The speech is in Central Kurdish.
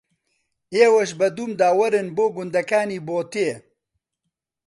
ئێوەش بە دوومدا وەرن بۆ گوندەکانی بۆتێ